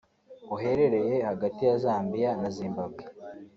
buherereye hagati ya Zambiya na Zimbabwe